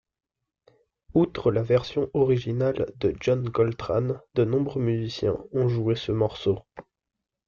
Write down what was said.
Outre la version originale de John Coltrane, de nombreux musiciens ont joué ce morceau.